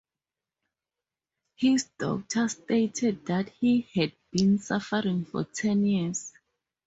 His doctor stated that he had been suffering for ten years.